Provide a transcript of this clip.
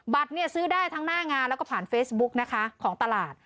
เนี่ยซื้อได้ทั้งหน้างานแล้วก็ผ่านเฟซบุ๊กนะคะของตลาด